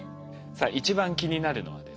さあ一番気になるのはですね